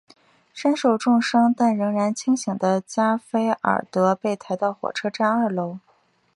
身受重伤但仍然清醒的加菲尔德被抬到火车站二楼。